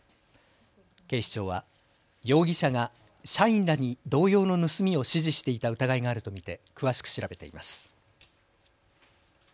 警視庁は容疑者が社員らに同様の盗みを指示していた疑いがあると見て詳しく調べています。